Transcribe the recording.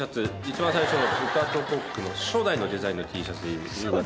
一番最初の豚とコックの初代のデザインのＴシャツ。